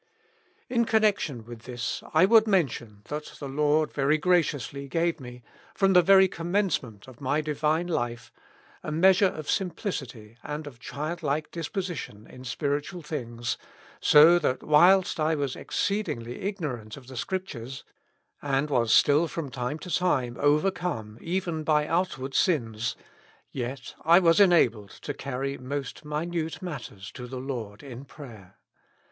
" In connection with this I would mention, that the Lord very graciously gave me, from the very commencement of my divine life, a measure of simplicity and of childlike disposition in spiritual things, so that whilst I was exceedingly ignorant of the Scriptures, and was still from time to time overcome even by outward sins, yet I was enabled to carry most minute mat ters to the Lord in prayer.